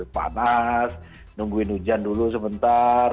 panas nungguin hujan dulu sebentar